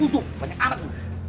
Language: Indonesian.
uduh banyak amat lo